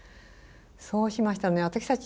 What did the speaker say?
そうしましたら私たち